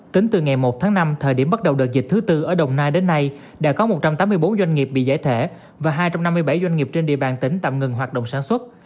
tính từ ngày một tháng năm thời điểm bắt đầu đợt dịch thứ tư ở đồng nai đến nay đã có một trăm tám mươi bốn doanh nghiệp bị giải thể và hai trăm năm mươi bảy doanh nghiệp trên địa bàn tỉnh tạm ngừng hoạt động sản xuất